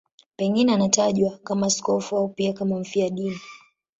Pengine anatajwa kama askofu au pia kama mfiadini.